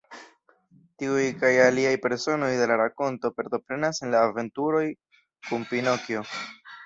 Tiuj kaj aliaj personoj de la rakonto partoprenas en la aventuroj kun Pinokjo.